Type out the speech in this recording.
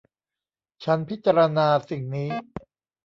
ฉันพิจารณาสิ่งนี้